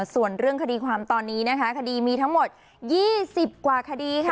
ส่วนเรื่องคดีความตอนนี้นะคะคดีมีทั้งหมด๒๐กว่าคดีค่ะ